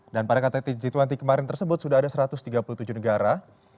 dan pada kttg dua puluh kemarin tersebut sudah ada satu ratus tiga puluh tujuh negara